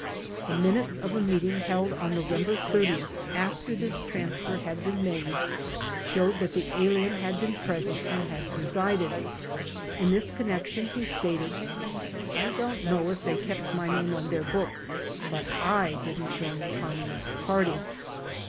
The minutes of a meeting held on No vember 30th, after this transfer had been made, showed that the alien had been present and had presided. In this connection he stated: "I don't know if they kept my name on their books, but I didn't join the Communist Party."